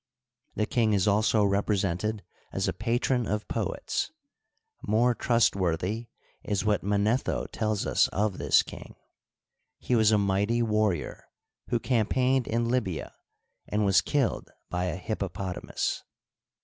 The king is also represented as a patron of poets. More trustworthy is what Manetho tells us of this king. He was a mighty warrior, who campaigned in Lybia, and was killed by a hippopotamus.